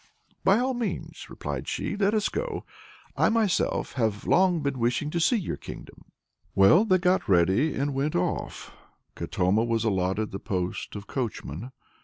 "By all means," replied she, "let us go. I myself have long been wishing to see your kingdom." Well they got ready and went off; Katoma was allotted the post of coachman.